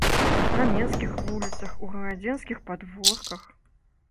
На менскіх вуліцах, у гарадзенскіх падворках.